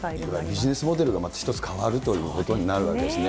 ビジネスモデルがまた一つ変わるということになるわけですね。